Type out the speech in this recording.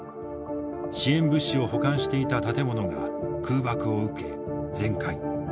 支援物資を保管していた建物が空爆を受け全壊。